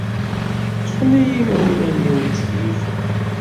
Ṭṭfen-iyi imawlan-iw ttkeyyifeɣ.